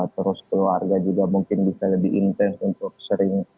terus keluarga juga mungkin bisa lebih intens untuk sering